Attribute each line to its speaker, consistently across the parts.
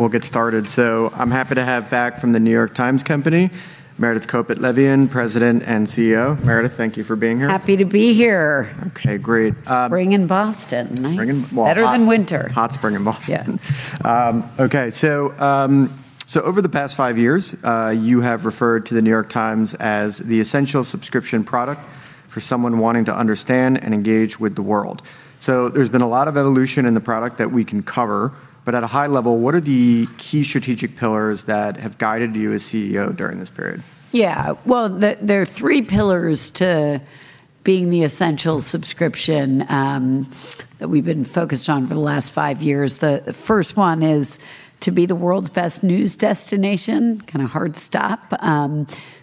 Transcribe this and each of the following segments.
Speaker 1: We'll get started. I'm happy to have back from The New York Times Company, Meredith Kopit Levien, President and CEO. Meredith, thank you for being here.
Speaker 2: Happy to be here.
Speaker 1: Okay, great.
Speaker 2: Spring in Boston.
Speaker 1: Well.
Speaker 2: Better than winter.
Speaker 1: Hot spring in Boston.
Speaker 2: Yeah.
Speaker 1: Okay. Over the past five years, you have referred to The New York Times as the essential subscription product for someone wanting to understand and engage with the world. There's been a lot of evolution in the product that we can cover, but at a high level, what are the key strategic pillars that have guided you as CEO during this period?
Speaker 2: Yeah. Well, there are three pillars to being the essential subscription, that we've been focused on for the last five years. The first one is to be the world's best news destination, kinda hard stop.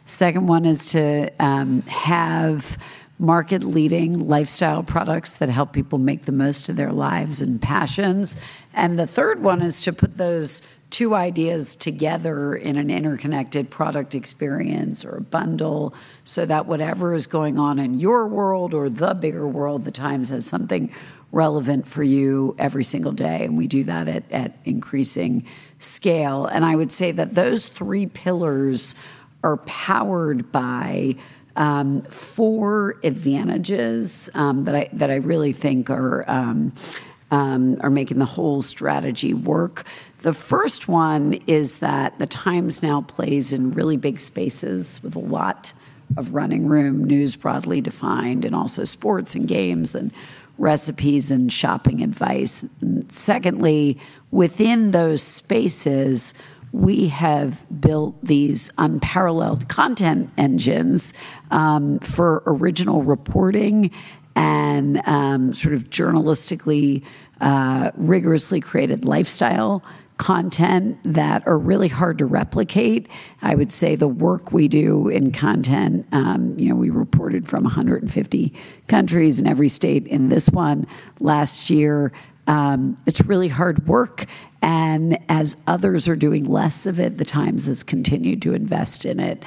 Speaker 2: Second one is to have market-leading lifestyle products that help people make the most of their lives and passions, and the third one is to put those two ideas together in an interconnected product experience or a bundle so that whatever is going on in your world or the bigger world, The Times has something relevant for you every single day, and we do that at increasing scale. I would say that those three pillars are powered by four advantages, that I really think are making the whole strategy work. The first one is that The Times now plays in really big spaces with a lot of running room, news broadly defined, and also sports and games and recipes and shopping advice. Secondly, within those spaces, we have built these unparalleled content engines for original reporting and sort of journalistically rigorously created lifestyle content that are really hard to replicate. I would say the work we do in content, you know, we reported from 150 countries in every state in this one last year. It's really hard work, and as others are doing less of it, The Times has continued to invest in it.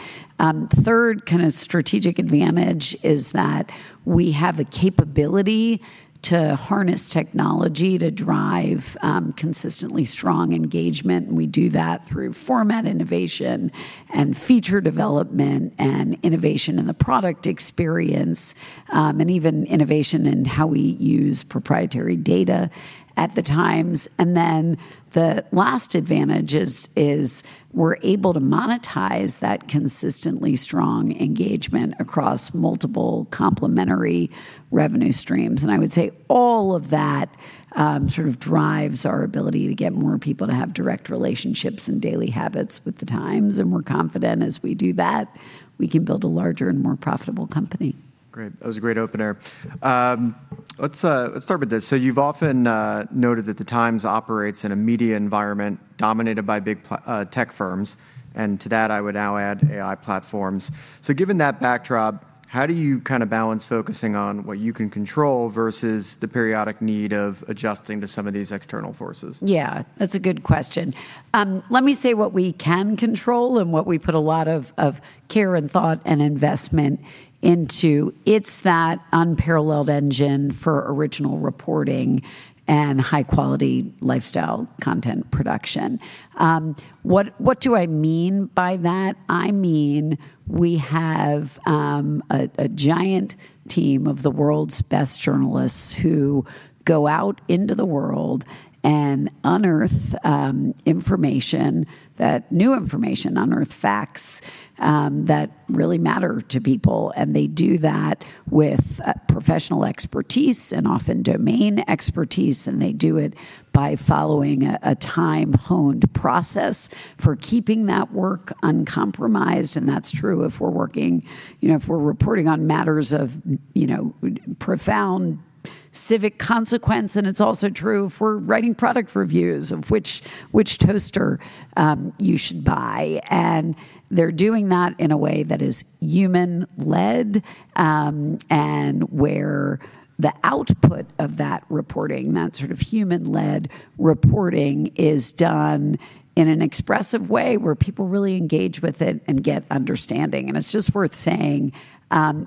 Speaker 2: Third kinda strategic advantage is that we have a capability to harness technology to drive consistently strong engagement, and we do that through format innovation and feature development and innovation in the product experience, and even innovation in how we use proprietary data at The Times. Then the last advantage is we're able to monetize that consistently strong engagement across multiple complementary revenue streams. I would say all of that sort of drives our ability to get more people to have direct relationships and daily habits with The Times, and we're confident as we do that we can build a larger and more profitable company.
Speaker 1: Great. That was a great opener. Let's start with this. You've often noted that The Times operates in a media environment dominated by big tech firms, and to that, I would now add AI platforms. Given that backdrop, how do you kinda balance focusing on what you can control versus the periodic need of adjusting to some of these external forces?
Speaker 2: Yeah, that's a good question. Let me say what we can control and what we put a lot of care and thought and investment into. It's that unparalleled engine for original reporting and high-quality lifestyle content production. What do I mean by that? I mean, we have a giant team of the world's best journalists who go out into the world and unearth new information, unearth facts that really matter to people, and they do that with professional expertise and often domain expertise, and they do it by following a time-honed process for keeping that work uncompromised. That's true if we're working, you know, if we're reporting on matters of, you know, profound civic consequence, and it's also true if we're writing product reviews of which toaster you should buy. They're doing that in a way that is human-led, and where the output of that reporting, that sort of human-led reporting, is done in an expressive way where people really engage with it and get understanding. It's just worth saying,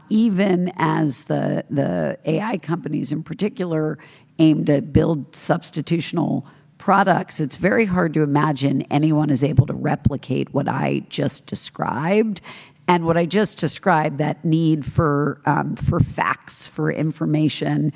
Speaker 2: even as the AI companies in particular aim to build substitutional products, it's very hard to imagine anyone is able to replicate what I just described. What I just described, that need for facts, for information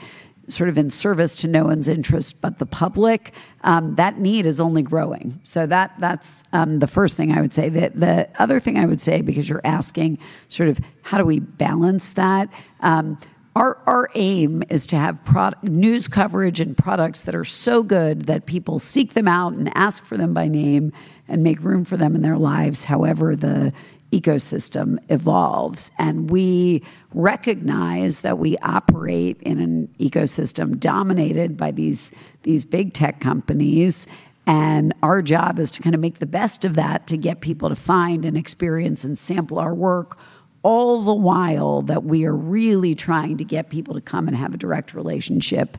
Speaker 2: sort of in service to no one's interest but the public, that need is only growing. That, that's the first thing I would say. The other thing I would say, because you're asking sort of how do we balance that, our aim is to have news coverage and products that are so good that people seek them out and ask for them by name and make room for them in their lives however the ecosystem evolves. We recognize that we operate in an ecosystem dominated by these big tech companies, and our job is to kind of make the best of that to get people to find and experience and sample our work, all the while that we are really trying to get people to come and have a direct relationship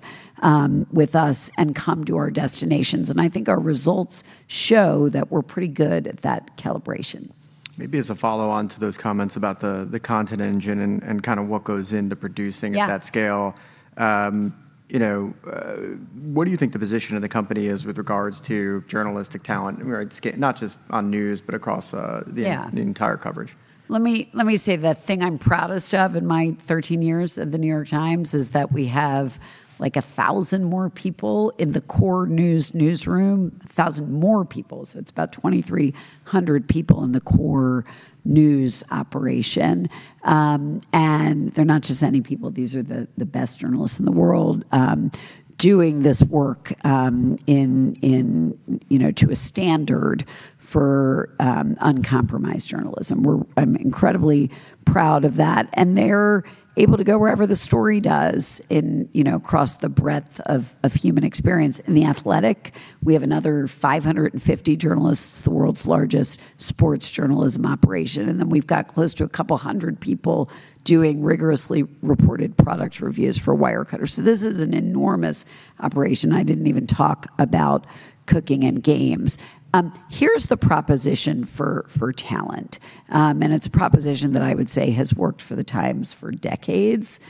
Speaker 2: with us and come to our destinations. I think our results show that we're pretty good at that calibration.
Speaker 1: Maybe as a follow-on to those comments about the content engine and kind of what goes into producing.
Speaker 2: Yeah
Speaker 1: at that scale, you know, what do you think the position of the company is with regards to journalistic talent? I mean, right not just on news but across
Speaker 2: Yeah
Speaker 1: the entire coverage.
Speaker 2: Let me say the thing I'm proudest of in my 13 years at The New York Times is that we have, like, 1,000 more people in the core newsroom. 1,000 more people, so it's about 2,300 people in the core news operation. They're not just any people. These are the best journalists in the world, doing this work, in, you know, to a standard for uncompromised journalism. I'm incredibly proud of that. They're able to go wherever the story does in, you know, across the breadth of human experience. In The Athletic, we have another 550 journalists. It's the world's largest sports journalism operation. We've got close to 200 people doing rigorously reported product reviews for Wirecutter. This is an enormous operation. I didn't even talk about cooking and games. Here's the proposition for talent, and it's a proposition that I would say has worked for The Times for decades.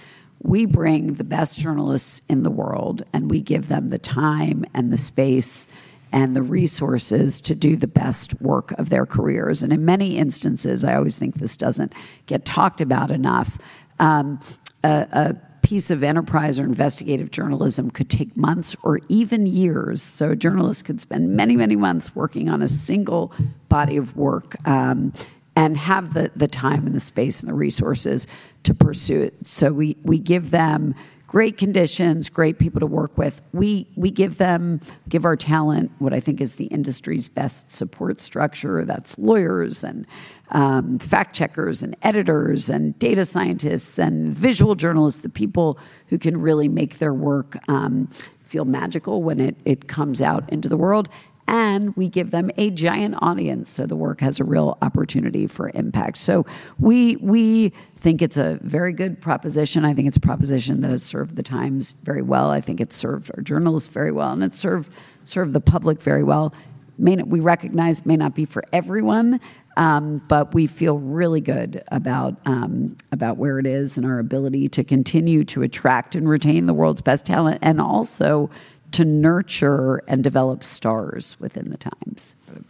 Speaker 2: We bring the best journalists in the world, and we give them the time and the space and the resources to do the best work of their careers, and in many instances, I always think this doesn't get talked about enough, a piece of enterprise or investigative journalism could take months or even years. A journalist could spend many, many months working on a single body of work, and have the time and the space and the resources to pursue it. We give them great conditions, great people to work with. We give our talent what I think is the industry's best support structure. That's lawyers and fact checkers and editors and data scientists and visual journalists, the people who can really make their work feel magical when it comes out into the world. We give them a giant audience, so the work has a real opportunity for impact. We think it's a very good proposition. I think it's a proposition that has served The Times very well. I think it's served our journalists very well, and it's served the public very well. We recognize may not be for everyone, but we feel really good about about where it is and our ability to continue to attract and retain the world's best talent and also to nurture and develop stars within The Times.
Speaker 1: Got it.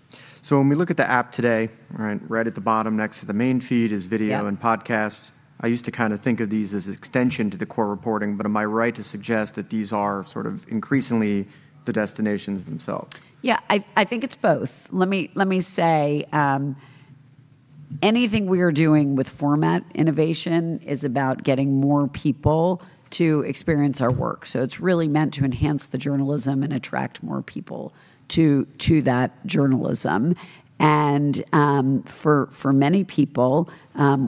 Speaker 1: When we look at the app today, right? Right at the bottom next to the main feed is video and
Speaker 2: Yeah
Speaker 1: podcasts. I used to kinda think of these as extension to the core reporting, but am I right to suggest that these are sort of increasingly the destinations themselves?
Speaker 2: Yeah. I think it's both. Let me say, anything we are doing with format innovation is about getting more people to experience our work, so it's really meant to enhance the journalism and attract more people to that journalism. For many people,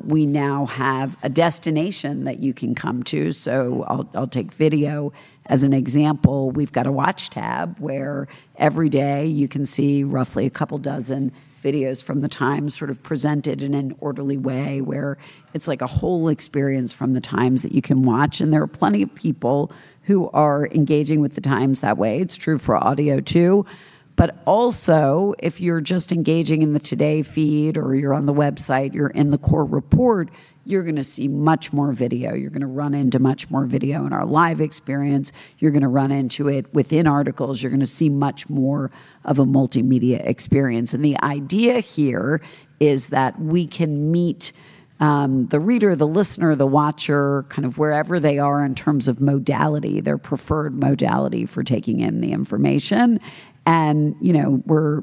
Speaker 2: we now have a destination that you can come to, so I'll take video as an example. We've got a watch tab where every day you can see roughly a couple dozen videos from The Times sort of presented in an orderly way where it's like a whole experience from The Times that you can watch, and there are plenty of people who are engaging with The Times that way. It's true for audio too. Also, if you're just engaging in the today feed or you're on the website, you're in the core report, you're gonna see much more video. You're gonna run into much more video in our live experience. You're gonna run into it within articles. You're gonna see much more of a multimedia experience, and the idea here is that we can meet the reader, the listener, the watcher, kind of wherever they are in terms of modality, their preferred modality for taking in the information. You know, we're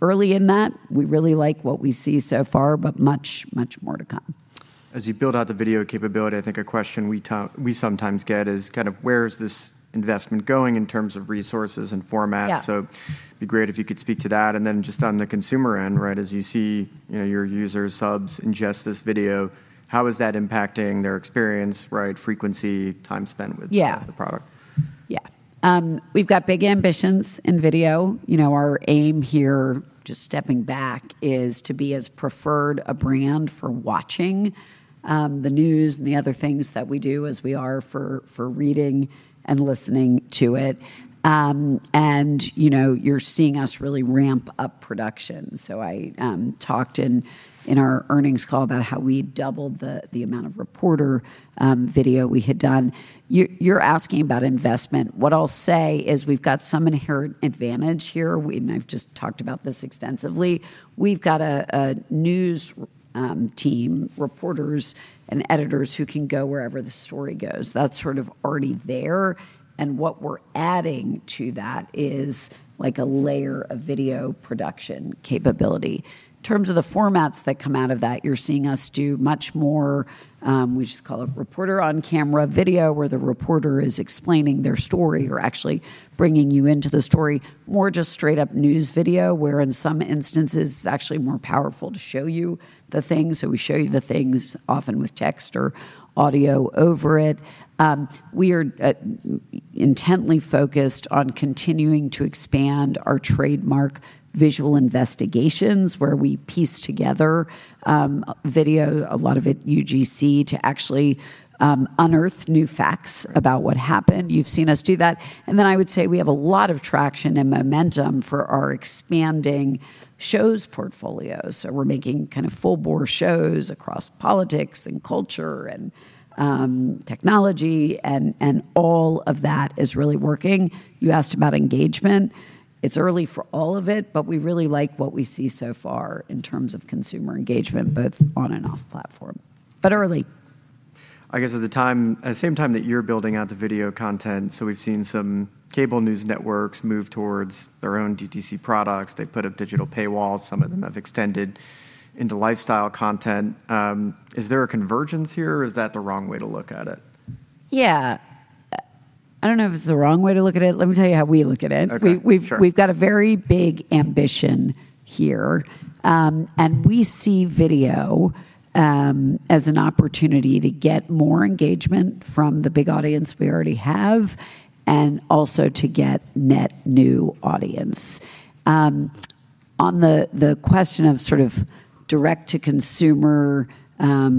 Speaker 2: early in that. We really like what we see so far, much more to come.
Speaker 1: As you build out the video capability, I think a question we sometimes get is kind of where is this investment going in terms of resources and formats?
Speaker 2: Yeah.
Speaker 1: It'd be great if you could speak to that. Just on the consumer end, right, as you see, you know, your user subs ingest this video, how is that impacting their experience, right? Frequency, time spent with-
Speaker 2: Yeah
Speaker 1: the product.
Speaker 2: Yeah. We've got big ambitions in video. You know, our aim here, just stepping back, is to be as preferred a brand for watching, the news and the other things that we do as we are for reading and listening to it. You know, you're seeing us really ramp-up production. I talked in our earnings call about how we doubled the amount of reporter video we had done. You're asking about investment. What I'll say is we've got some inherent advantage here. I've just talked about this extensively. We've got a news team, reporters and editors who can go wherever the story goes. That's sort of already there, what we're adding to that is, like, a layer of video production capability. In terms of the formats that come out of that, you're seeing us do much more, we just call it reporter on camera video, where the reporter is explaining their story or actually bringing you into the story. More just straight up news video, where in some instances it's actually more powerful to show you the things, so we show you the things often with text or audio over it. We are intently focused on continuing to expand our trademark visual investigations, where we piece together video, a lot of it UGC, to actually unearth new facts about what happened. You've seen us do that. I would say we have a lot of traction and momentum for our expanding shows portfolios. We're making kind of full-bore shows across politics and culture and technology, and all of that is really working. You asked about engagement. It's early for all of it, but we really like what we see so far in terms of consumer engagement, both on and off platform, but early.
Speaker 1: I guess at the time, at the same time that you're building out the video content, we've seen some cable news networks move towards their own DTC products. They put up digital paywalls, some of them have extended into lifestyle content. Is there a convergence here, or is that the wrong way to look at it?
Speaker 2: Yeah. I don't know if it's the wrong way to look at it. Let me tell you how we look at it.
Speaker 1: Okay, sure.
Speaker 2: We've got a very big ambition here. We see video as an opportunity to get more engagement from the big audience we already have, and also to get net new audience. On the question of sort of direct-to-consumer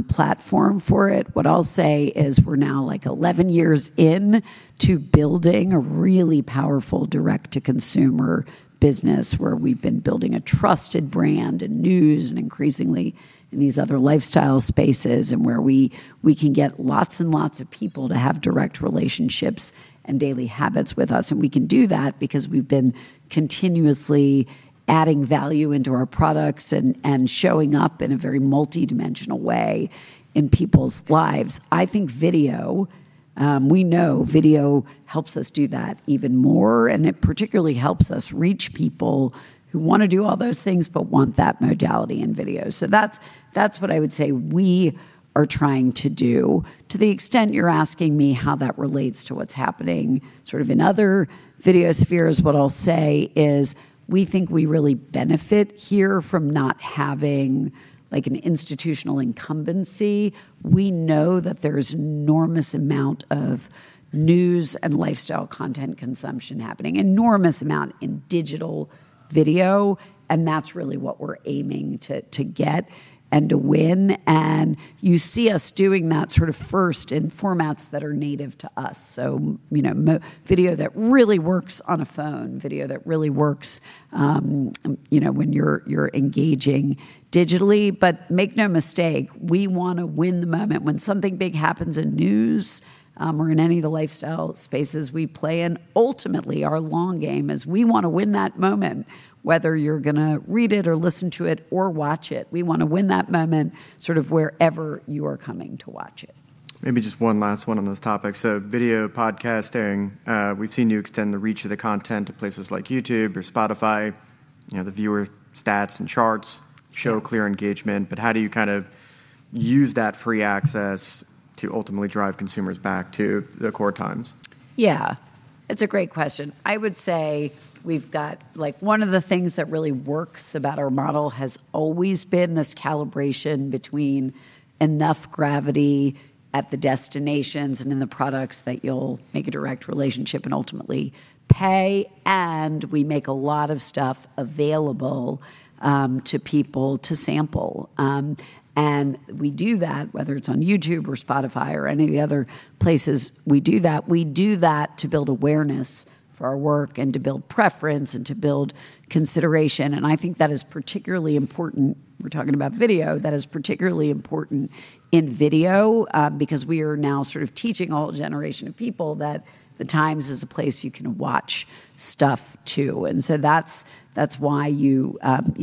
Speaker 2: platform for it, what I'll say is we're now, like, 11 years in to building a really powerful direct-to-consumer business where we've been building a trusted brand in news and increasingly in these other lifestyle spaces, and where we can get lots and lots of people to have direct relationships and daily habits with us. We can do that because we've been continuously adding value into our products and showing up in a very multidimensional way in people's lives. I think video, we know video helps us do that even more, and it particularly helps us reach people who want to do all those things but want that modality in video. That's, that's what I would say we are trying to do. To the extent you're asking me how that relates to what's happening sort of in other video spheres, what I'll say is we think we really benefit here from not having, like, an institutional incumbency. We know that there's enormous amount of news and lifestyle content consumption happening, enormous amount in digital video, and that's really what we're aiming to get and to win. You see us doing that sort of first in formats that are native to us, so, you know, video that really works on a phone, video that really works, you know, when you're engaging digitally. Make no mistake, we want to win the moment when something big happens in news, or in any of the lifestyle spaces we play in. Ultimately, our long game is we want to win that moment, whether you're gonna read it or listen to it or watch it. We want to win that moment sort of wherever you are coming to watch it.
Speaker 1: Maybe just one last one on this topic. video podcasting, we've seen you extend the reach of the content to places like YouTube or Spotify. You know, the viewer stats and charts show clear engagement. How do you kind of use that free access to ultimately drive consumers back to the core Times?
Speaker 2: It's a great question. I would say we've got, like, one of the things that really works about our model has always been this calibration between enough gravity at the destinations and in the products that you'll make a direct relationship and ultimately pay, and we make a lot of stuff available to people to sample. We do that, whether it's on YouTube or Spotify or any of the other places we do that. We do that to build awareness for our work and to build preference and to build consideration, and I think that is particularly important. We're talking about video. That is particularly important in video because we are now sort of teaching a whole generation of people that The Times is a place you can watch stuff too. That's, that's why you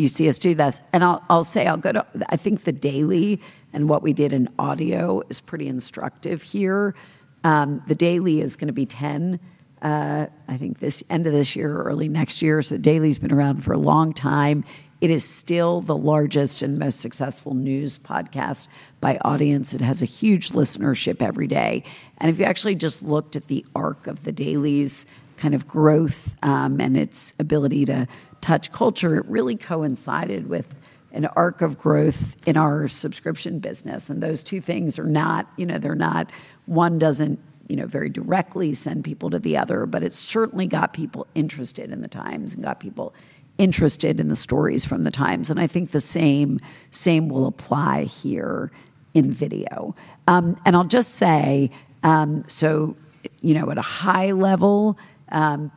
Speaker 2: see us do this. I'll say, I'll go to, I think The Daily and what we did in audio is pretty instructive here. The Daily is gonna be 10, I think end of this year or early next year. Daily's been around for a long time. It is still the largest and most successful news podcast by audience. It has a huge listenership every day. If you actually just looked at the arc of The Daily's kind of growth, and its ability to touch culture, it really coincided with an arc of growth in our subscription business, and those two things are not, you know, one doesn't, you know, very directly send people to the other. It certainly got people interested in The Times and got people interested in the stories from The Times, and I think the same will apply here in video. I'll just say, you know, at a high level,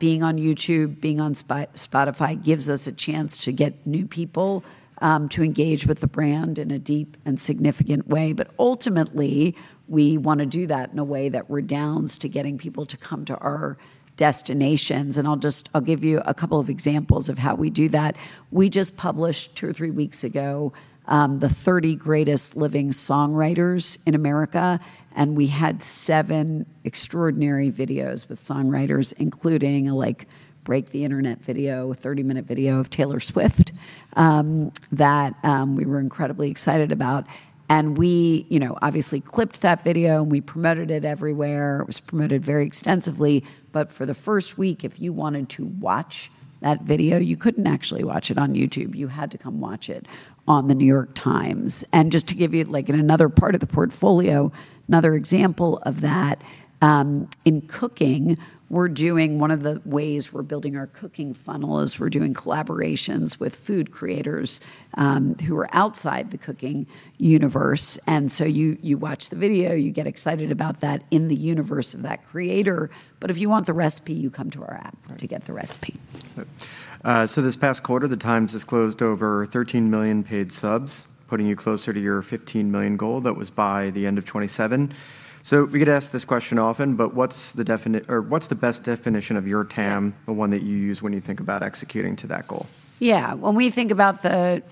Speaker 2: being on YouTube, being on Spotify gives us a chance to get new people to engage with the brand in a deep and significant way. Ultimately, we wanna do that in a way that redounds to getting people to come to our destinations. I'll give you a couple of examples of how we do that. We just published two or three weeks ago, the 30 greatest living songwriters in America, we had seven extraordinary videos with songwriters, including a, like, break the internet video, a 30-minute video of Taylor Swift. That we were incredibly excited about. We, you know, obviously clipped that video, and we promoted it everywhere. It was promoted very extensively. For the first week, if you wanted to watch that video, you couldn't actually watch it on YouTube. You had to come watch it on The New York Times. Just to give you like in another part of the portfolio, another example of that, in cooking, one of the ways we're building our cooking funnel is we're doing collaborations with food creators who are outside the cooking universe. You, you watch the video, you get excited about that in the universe of that creator. If you want the recipe, you come to our app.
Speaker 1: Right.
Speaker 2: To get the recipe.
Speaker 1: This past quarter, The Times has closed over 13 million paid subs, putting you closer to your 15 million goal that was by the end of 2027. We get asked this question often, what's the best definition of your TAM?
Speaker 2: [inaudible]
Speaker 1: the one that you use when you think about executing to that goal?
Speaker 2: Yeah. When we think about the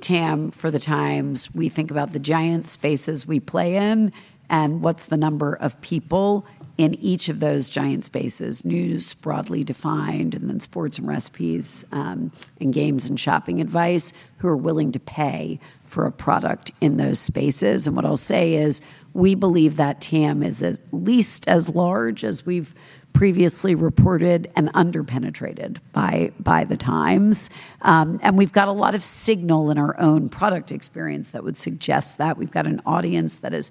Speaker 2: TAM for The Times, we think about the giant spaces we play in and what's the number of people in each of those giant spaces, news broadly defined, and then sports and recipes, and games and shopping advice, who are willing to pay for a product in those spaces. What I'll say is, we believe that TAM is at least as large as we've previously reported and under-penetrated by The Times. We've got a lot of signal in our own product experience that would suggest that. We've got an audience that is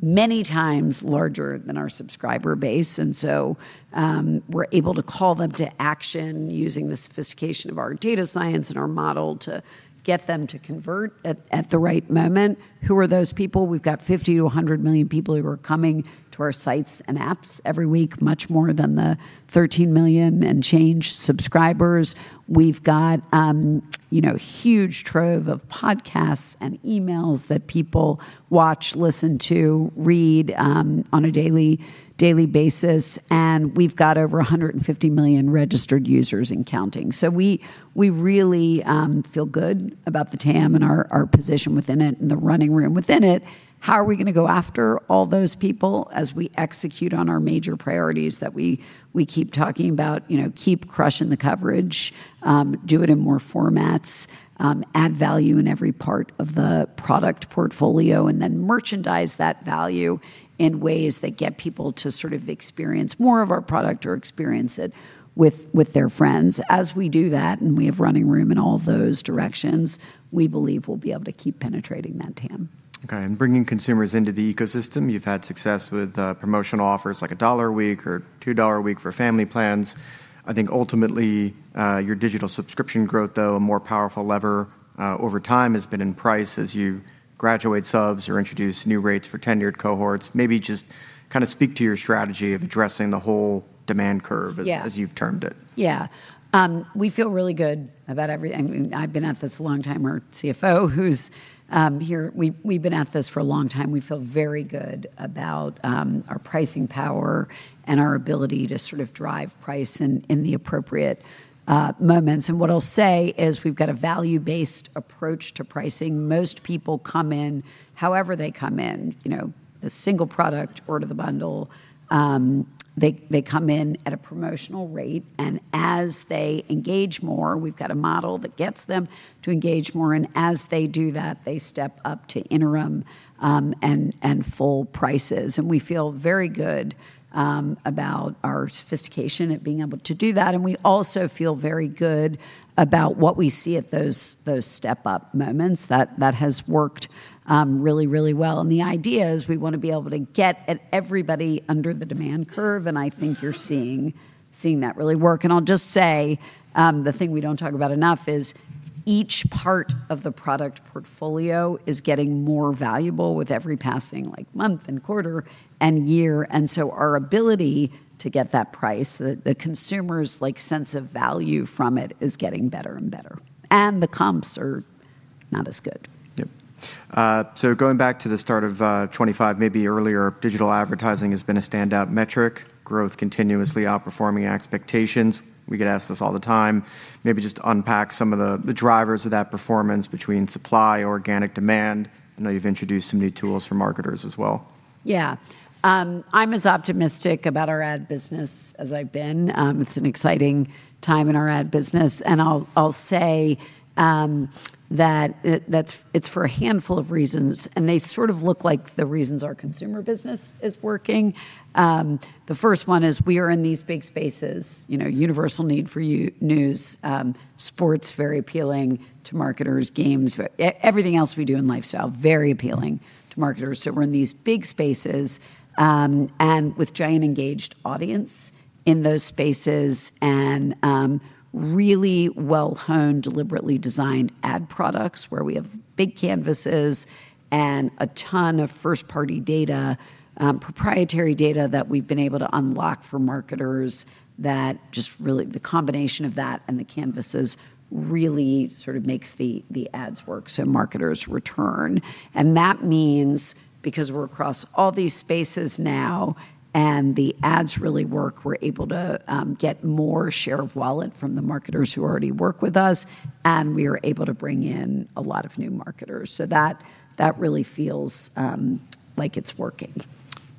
Speaker 2: many times larger than our subscriber base. We're able to call them to action using the sophistication of our data science and our model to get them to convert at the right moment. Who are those people? We've got 50 million-100 million people who are coming to our sites and apps every week, much more than the 13 million and change subscribers. We've got, you know, huge trove of podcasts and emails that people watch, listen to, read, on a daily basis. We've got over 150 million registered users and counting. We really feel good about the TAM and our position within it and the running room within it. How are we gonna go after all those people as we execute on our major priorities that we keep talking about? You know, keep crushing the coverage, do it in more formats, add value in every part of the product portfolio, and then merchandise that value in ways that get people to sort of experience more of our product or experience it with their friends. As we do that, and we have running room in all of those directions, we believe we'll be able to keep penetrating that TAM.
Speaker 1: Okay. Bringing consumers into the ecosystem, you've had success with promotional offers like a dollar a week or $2 a week for family plans. I think ultimately, your digital subscription growth, though a more powerful lever, over time has been in price as you graduate subs or introduce new rates for tenured cohorts. Maybe just kinda speak to your strategy of addressing the whole demand curve?
Speaker 2: Yeah
Speaker 1: as you've termed it.
Speaker 2: Yeah. I've been at this a long time. Our CFO who's here, we've been at this for a long time. We feel very good about our pricing power and our ability to sort of drive price in the appropriate moments. What I'll say is we've got a value-based approach to pricing. Most people come in however they come in, you know, a single product or to the bundle. They come in at a promotional rate, and as they engage more, we've got a model that gets them to engage more. As they do that, they step up to interim and full prices. We feel very good about our sophistication at being able to do that. We also feel very good about what we see at those step-up moments. That has worked really well. The idea is we wanna be able to get at everybody under the demand curve, and I think you're seeing that really work. I'll just say, the thing we don't talk about enough is each part of the product portfolio is getting more valuable with every passing, like, month and quarter and year. Our ability to get that price, the consumer's, like, sense of value from it is getting better and better, and the comps are not as good.
Speaker 1: Yep. Going back to the start of 2025, maybe earlier, digital advertising has been a standout metric, growth continuously outperforming expectations. We get asked this all the time. Maybe just unpack some of the drivers of that performance between supply, organic demand. I know you've introduced some new tools for marketers as well.
Speaker 2: Yeah. I'm as optimistic about our ad business as I've been. It's an exciting time in our ad business, and I'll say it's for a handful of reasons, and they sort of look like the reasons our consumer business is working. The first one is we are in these big spaces, you know, universal need for news, sports very appealing to marketers, games, everything else we do in lifestyle, very appealing to marketers. We're in these big spaces, and with giant engaged audience in those spaces and really well-honed, deliberately designed ad products where we have big canvases and a ton of first-party data, proprietary data that we've been able to unlock for marketers the combination of that and the canvases really sort of makes the ads work. marketers return, and that means because we're across all these spaces now and the ads really work, we're able to get more share of wallet from the marketers who already work with us, and we are able to bring in a lot of new marketers. That really feels like it's working.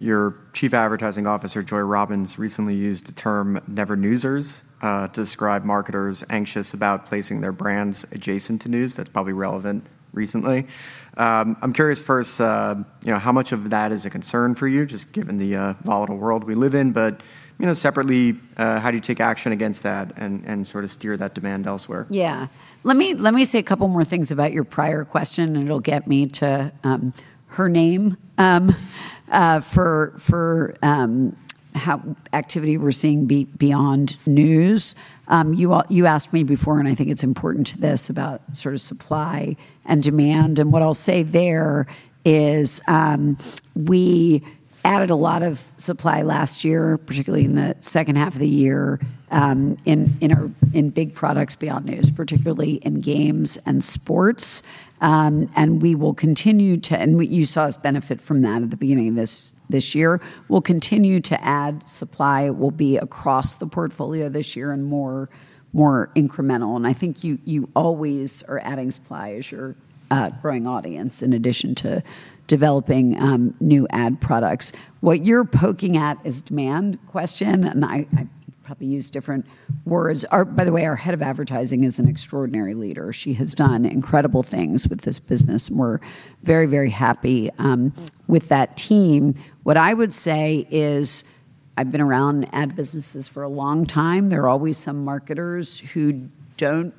Speaker 1: Your Chief Advertising Officer, Joy Robins, recently used the term Never Newsers to describe marketers anxious about placing their brands adjacent to news. That's probably relevant recently. I'm curious first, you know, how much of that is a concern for you, just given the volatile world we live in, but, you know, separately, how do you take action against that and sort of steer that demand elsewhere?
Speaker 2: Yeah. Let me say a couple more things about your prior question. It'll get me to her name for how activity we're seeing beyond news. You asked me before, and I think it's important to this about sort of supply and demand. What I'll say there is, we added a lot of supply last year, particularly in the second half of the year, in our big products beyond news, particularly in games and sports. We will continue to. You saw us benefit from that at the beginning of this year. We'll continue to add supply. It will be across the portfolio this year and more incremental. I think you always are adding supply as you're growing audience in addition to developing new ad products. What you're poking at is demand question, and I probably use different words. Our Head of Advertising is an extraordinary leader. She has done incredible things with this business, and we're very, very happy with that team. What I would say is I've been around ad businesses for a long time. There are always some marketers who don't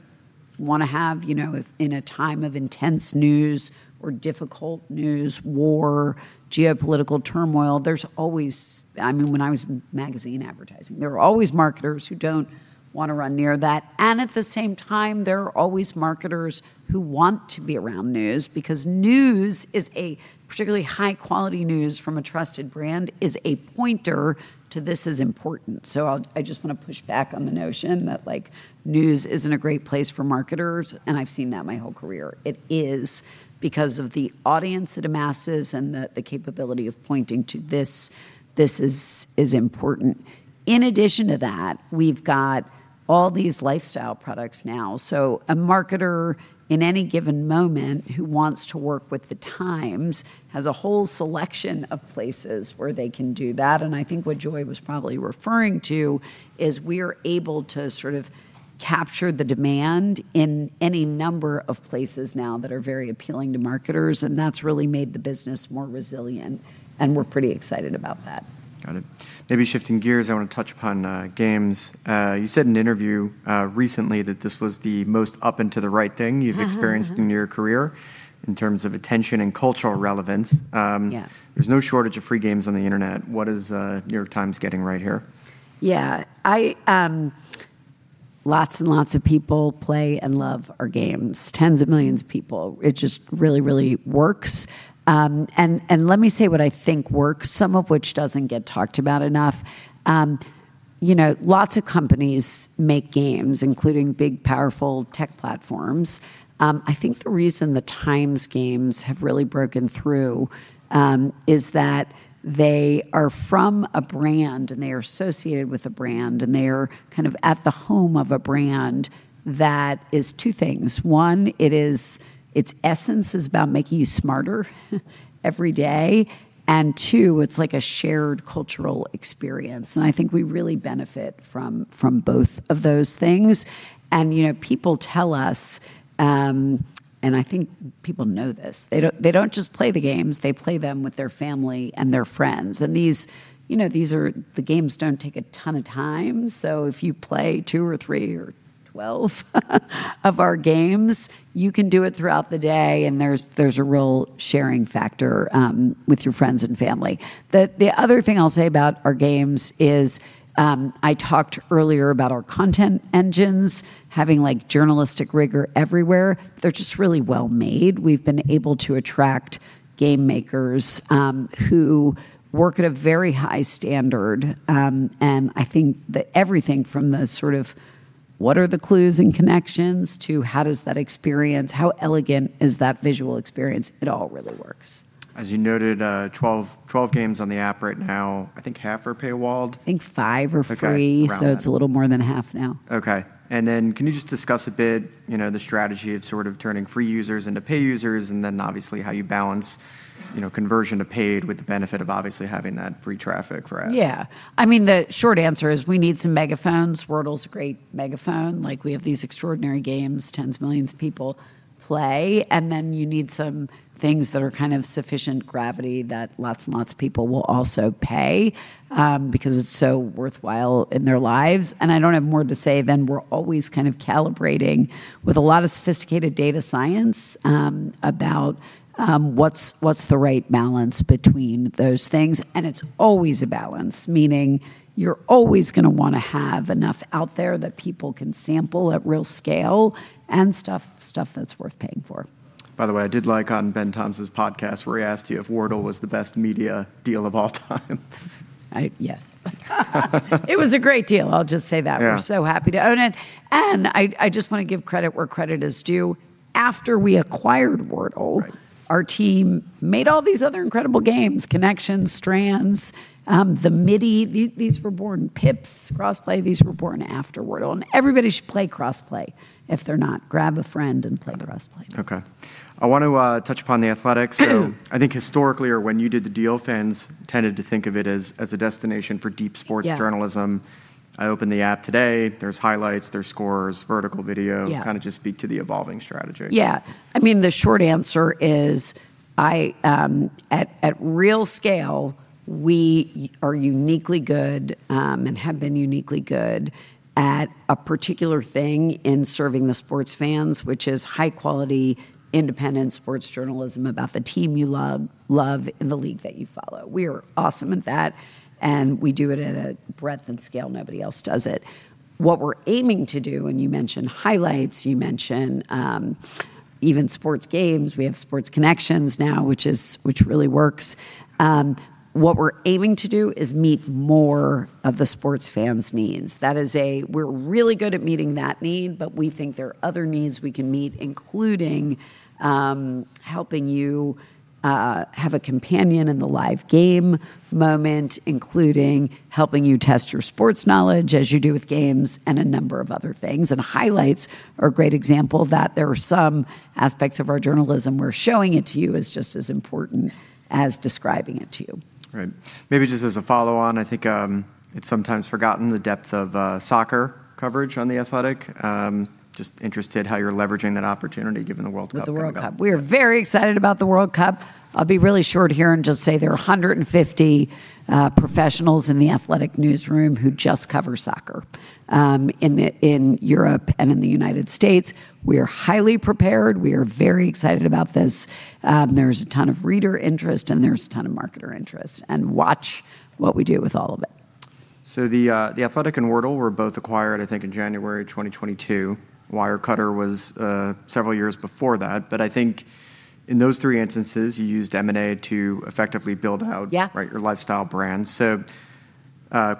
Speaker 2: wanna have, you know, if in a time of intense news or difficult news, war, geopolitical turmoil, there's always I mean, when I was in magazine advertising, there were always marketers who don't wanna run near that. At the same time, there are always marketers who want to be around news because news is a, particularly high-quality news from a trusted brand, is a pointer to this is important. I'll, I just wanna push back on the notion that, like, news isn't a great place for marketers, and I've seen that my whole career. It is because of the audience it amasses and the capability of pointing to this is important. In addition to that, we've got all these lifestyle products now. A marketer in any given moment who wants to work with The Times has a whole selection of places where they can do that, and I think what Joy was probably referring to is we are able to sort of capture the demand in any number of places now that are very appealing to marketers, and that's really made the business more resilient, and we're pretty excited about that.
Speaker 1: Got it. Maybe shifting gears, I wanna touch upon games. You said in an interview recently that this was the most up and to the right thing.
Speaker 2: Uh-huh. Uh-huh
Speaker 1: experienced in your career in terms of attention and cultural relevance.
Speaker 2: Yeah
Speaker 1: There's no shortage of free games on the internet. What is The New York Times getting right here?
Speaker 2: Yeah. I, lots and lots of people play and love our games, tens of millions of people. It just really, really works. Let me say what I think works, some of which doesn't get talked about enough. You know, lots of companies make games, including big, powerful tech platforms. I think the reason The Times games have really broken through, is that they are from a brand, and they are associated with a brand, and they are kind of at the home of a brand that is two things. One, its essence is about making you smarter every day, and two, it's like a shared cultural experience, and I think we really benefit from both of those things. You know, people tell us, and I think people know this. They don't just play the games. They play them with their family and their friends. These, you know, the games don't take a ton of time, so if you play two or three or 12 of our games, you can do it throughout the day, and there's a real sharing factor with your friends and family. The other thing I'll say about our games is I talked earlier about our content engines having, like, journalistic rigor everywhere. They're just really well-made. We've been able to attract game makers who work at a very high standard, I think that everything from the sort of what are the clues and connections to how does that experience, how elegant is that visual experience, it all really works.
Speaker 1: As you noted, 12 games on the app right now. I think half are paywalled.
Speaker 2: I think five are free.
Speaker 1: Okay. Around that.
Speaker 2: It's a little more than half now.
Speaker 1: Okay. Can you just discuss a bit the strategy of sort of turning free users into pay users and then obviously how you balance conversion to paid with the benefit of obviously having that free traffic for ads?
Speaker 2: Yeah. I mean, the short answer is we need some megaphones. Wordle's a great megaphone. Like, we have these extraordinary games tens of millions of people play, you need some things that are kind of sufficient gravity that lots and lots of people will also pay, because it's so worthwhile in their lives. I don't have more to say than we're always kind of calibrating with a lot of sophisticated data science, about what's the right balance between those things. It's always a balance, meaning you're always gonna wanna have enough out there that people can sample at real scale and stuff that's worth paying for.
Speaker 1: By the way, I did like on Ben Thompson's podcast where he asked you if Wordle was the best media deal of all time.
Speaker 2: I, yes. It was a great deal, I'll just say that.
Speaker 1: Yeah.
Speaker 2: We're so happy to own it. I just wanna give credit where credit is due. After we acquired Wordle,
Speaker 1: Right
Speaker 2: our team made all these other incredible games, Connections, Strands, The Midi. These were born Pips, CrossPlay. These were born after Wordle. Everybody should play CrossPlay. If they're not, grab a friend and play CrossPlay.
Speaker 1: Okay. I want to touch upon The Athletic. I think historically or when you did the deal, fans tended to think of it as a destination for deep sports journalism.
Speaker 2: Yeah.
Speaker 1: I opened the app today. There's highlights, there's scores, vertical video.
Speaker 2: Yeah.
Speaker 1: Kinda just speak to the evolving strategy.
Speaker 2: Yeah. I mean, the short answer is I, at Real Scale, we are uniquely good and have been uniquely good at a particular thing in serving the sports fans, which is high-quality, independent sports journalism about the team you love and the league that you follow. We're awesome at that. We do it at a breadth and scale nobody else does it. What we're aiming to do, you mentioned highlights, you mentioned even sports games. We have Sports Connections now, which really works. What we're aiming to do is meet more of the sports fans' needs. We're really good at meeting that need, but we think there are other needs we can meet, including helping you have a companion in the live game moment, including helping you test your sports knowledge as you do with games and a number of other things. Highlights are a great example that there are some aspects of our journalism we're showing it to you is just as important as describing it to you.
Speaker 1: Right. Maybe just as a follow-on, I think, it's sometimes forgotten the depth of soccer coverage on The Athletic. Just interested how you're leveraging that opportunity given the World Cup coming up.
Speaker 2: With the World Cup. We're very excited about the World Cup. I'll be really short here and just say there are 150 professionals in The Athletic newsroom who just cover soccer in Europe and in the United States. We are highly prepared. We are very excited about this. There's a ton of reader interest. There's a ton of marketer interest. Watch what we do with all of it.
Speaker 1: The Athletic and Wordle were both acquired, I think, in January 2022. Wirecutter was several years before that. I think in those three instances, you used M&A to effectively build out
Speaker 2: Yeah
Speaker 1: right, your lifestyle brands.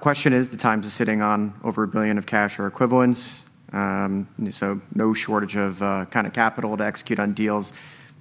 Speaker 1: Question is, The Times is sitting on over a billion of cash or equivalents, so no shortage of, kinda capital to execute on deals.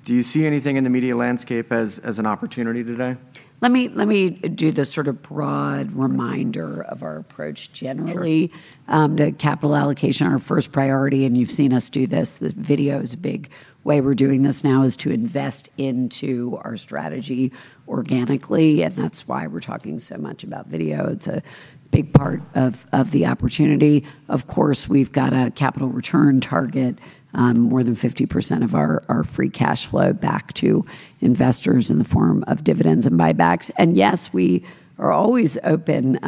Speaker 1: Do you see anything in the media landscape as an opportunity today?
Speaker 2: Let me do the sort of broad reminder of our approach generally.
Speaker 1: Sure.
Speaker 2: The capital allocation, our first priority, and you've seen us do this, the video is a big way we're doing this now, is to invest into our strategy organically, and that's why we're talking so much about video. It's a big part of the opportunity. Of course, we've got a capital return target, more than 50% of our free cash flow back to investors in the form of dividends and buybacks. Yes, we are always open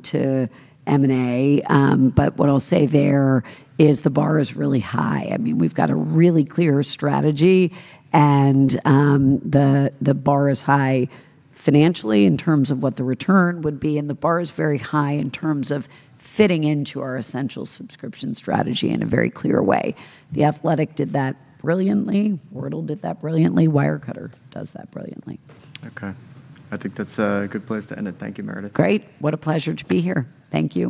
Speaker 2: to M&A. What I'll say there is the bar is really high. I mean, we've got a really clear strategy, and the bar is high financially in terms of what the return would be, and the bar is very high in terms of fitting into our essential subscription strategy in a very clear way. The Athletic did that brilliantly. Wordle did that brilliantly. Wirecutter does that brilliantly.
Speaker 1: Okay. I think that's a good place to end it. Thank you, Meredith.
Speaker 2: Great. What a pleasure to be here. Thank you.